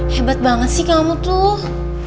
hebat banget sih kamu tuh